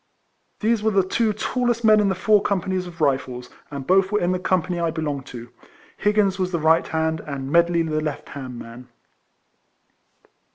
These were the two tallest men in the four companies of Kifles; and both were in the company I belonged to. Higgins was the right hand, and Medley the left hand man.